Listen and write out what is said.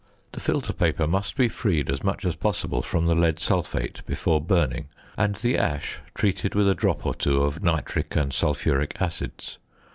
The filter paper must be freed as much as possible from the lead sulphate before burning, and the ash treated with a drop or two of nitric and sulphuric acids.